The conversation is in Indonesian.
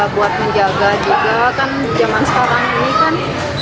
buat menjaga juga kan zaman sekarang ini kan